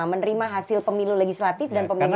menerima hasil pemilu legislatif dan pemilu